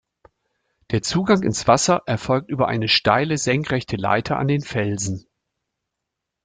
Der Zugang ins Wasser erfolgt über eine steile senkrechte Leiter an den Felsen.